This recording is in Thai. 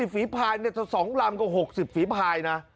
๓๐ฝีภายเนี่ยจะ๒ลำกว่า๖๐ฝีภายนะ